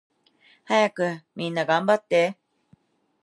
はやくみんながんばって